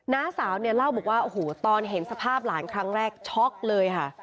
น้าสาวเนี่ยเล่าบอกว่าโอ้โหตอนเห็นสภาพหลานครั้งแรกช็อกเลยค่ะ